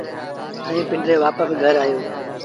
ائيٚݩ وآپس پنڊري گھر آيو۔